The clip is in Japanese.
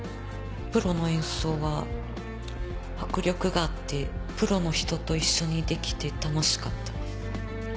プロの演奏は迫力があってプロの人と一緒にできて楽しかったです。